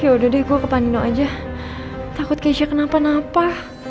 ya udah deh gue ke pandino aja takut keisha kenapa napa